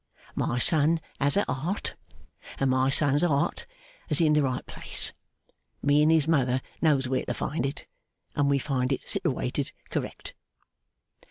My son has a 'art, and my son's 'art is in the right place. Me and his mother knows where to find it, and we find it sitiwated correct.